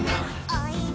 「おいで」